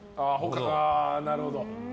なるほど。